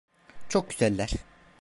Çok güzeller.